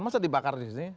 masa dibakar disini